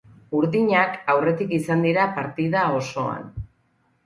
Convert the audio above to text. Urdinak aurretik izan dira partida osoan.